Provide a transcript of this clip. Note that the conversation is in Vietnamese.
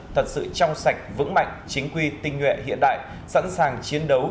thật sự trong sạch vững mạnh chính quy tinh nguyện hiện đại sẵn sàng chiến đấu